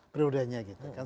prioritanya gitu kan